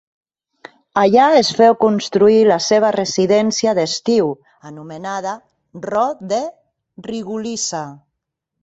Allà es féu construir la seva residència d'estiu, anomenada Ro de Rigolisa.